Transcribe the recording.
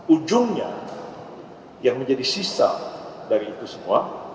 ujungnya yang menjadi sisa dari itu semua